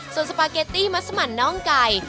ส่วนสปาเกตตี้มัสมันน่องไก่